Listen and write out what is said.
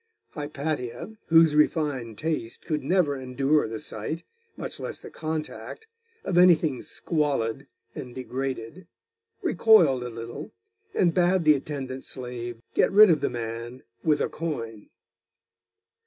Hypatia, whose refined taste could never endure the sight, much less the contact, of anything squalid and degraded, recoiled a little, and bade the attendant slave get rid of the man with a coin.